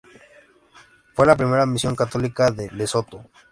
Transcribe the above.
Fue la primera misión católica en Lesotho.